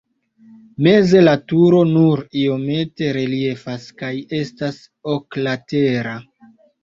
Meze la turo nur iomete reliefas kaj estas oklatera.